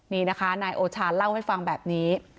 นี่นะคะนายโอชาเล่าให้ฟังแบบนี้